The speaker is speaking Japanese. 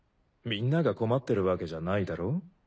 みんなが困ってるわけじゃないだろ。